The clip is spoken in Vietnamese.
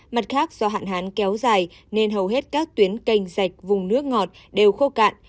mặt khác do hạn hán kéo dài nên hầu hết các tuyến canh dạch vùng nước ngọt đều khô cạn